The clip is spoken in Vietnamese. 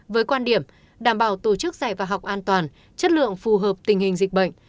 với quan điểm đảm bảo tổ chức dạy và học an toàn chất lượng phù hợp tình hình dịch bệnh